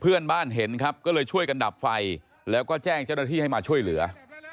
เพื่อนบ้านเห็นครับก็เลยช่วยกันดับไฟแล้วก็แจ้งเจ้าหน้าที่ให้มาช่วยเหลือ